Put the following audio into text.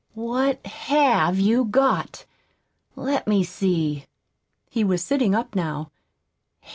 "What HAVE you got? Let me see." He was sitting up now.